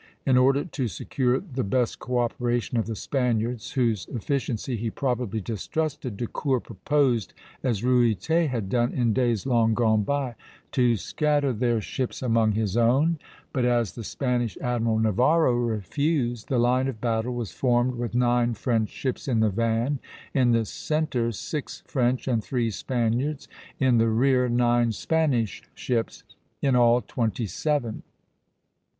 In order to secure the best co operation of the Spaniards, whose efficiency he probably distrusted, De Court proposed, as Ruyter had done in days long gone by, to scatter their ships among his own; but as the Spanish admiral, Navarro, refused, the line of battle was formed with nine French ships in the van, in the centre six French and three Spaniards, in the rear nine Spanish ships; in all, twenty seven.